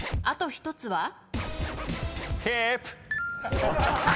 あと１つは？